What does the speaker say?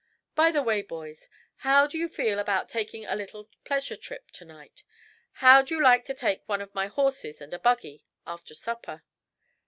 "By the way, boys, how do you feel about taking a little pleasure trip to night? How'd you like to take one of my horses and a buggy, after supper?"